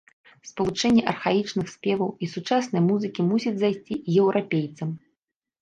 Спалучэнне архаічных спеваў і сучаснай музыкі мусіць зайсці і еўрапейцам.